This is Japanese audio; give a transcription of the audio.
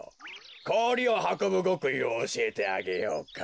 こおりをはこぶごくいをおしえてあげようか。